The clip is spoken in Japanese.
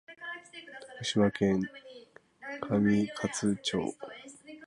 徳島県上勝町